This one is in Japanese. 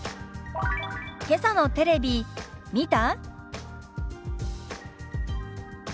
「けさのテレビ見た？」。